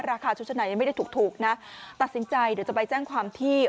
ราคาชุดชั้นในยังไม่ได้ถูกถูกนะตัดสินใจเดี๋ยวจะไปแจ้งความที่